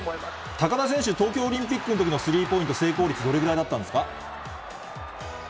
高田選手、東京オリンピックのときのスリーポイント成功率、どれぐらいだったんですか？